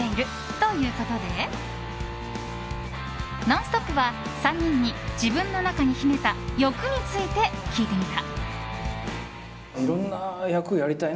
ということで「ノンストップ！」は３人に、自分の中に秘めた欲について聞いてみた。